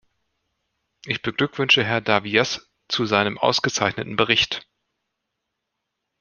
Ich beglückwünsche Herrn Davies zu seinem ausgezeichneten Bericht.